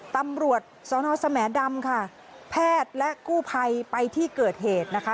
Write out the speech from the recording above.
ตำรวจสนสแหมดำค่ะแพทย์และกู้ภัยไปที่เกิดเหตุนะคะ